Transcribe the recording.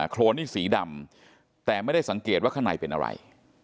โครนนี่สีดำแต่ไม่ได้สังเกตว่าข้างในเป็นอะไร